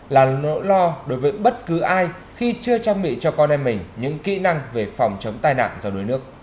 là nỗi lo đối với bất cứ ai khi chưa trang bị cho con em mình những kỹ năng về phòng chống tai nạn do đuối nước